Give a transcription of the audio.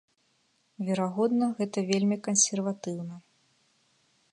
Верагодна, гэта вельмі кансерватыўна.